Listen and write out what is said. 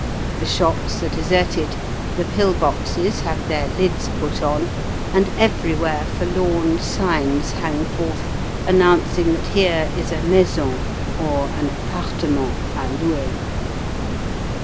The shops are deserted, the pill boxes have their lids put on, and everywhere forlorn signs hang forth announcing that here is a maison or an appartement a louer.